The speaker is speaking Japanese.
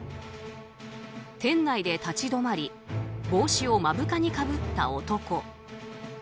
店内で立ち止まり帽子を目深にかぶった男。